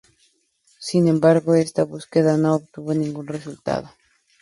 Sin embargo, esta búsqueda no obtuvo ningún resultado.